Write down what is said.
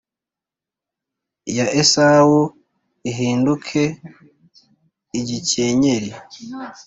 ya Esawu ihinduke igikenyeri